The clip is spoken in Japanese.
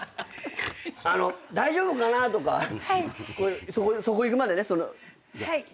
大丈夫かなとかそこ行くまでね。